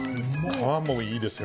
皮もいいですよ。